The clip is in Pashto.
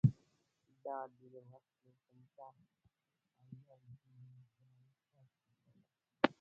دا د یوسلو پنځه اویا هجري لمریز کال کیسه ده.